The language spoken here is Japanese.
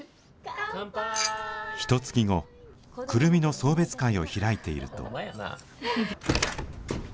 ひとつき後久留美の送別会を開いていると。